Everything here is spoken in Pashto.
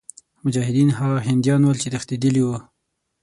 مجاهدین هغه هندیان ول چې تښتېدلي وه.